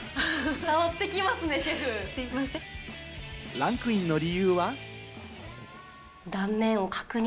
ランクインの理由は。